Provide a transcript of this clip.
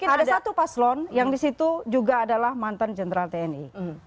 ada satu paslon yang disitu juga adalah mantan jenderal tni